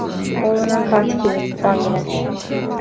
Ólann an cat ciúin bainne leis